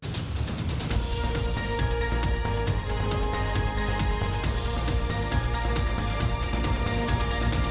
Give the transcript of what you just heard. สวัสดีค่ะ